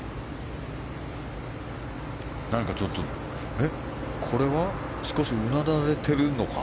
何かちょっとこれは少しうなだれてるのか？